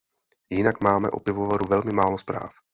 Jinak máme o pivovaru velmi málo zpráv.